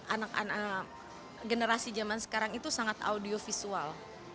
anak anak generasi zaman sekarang itu sangat audio visual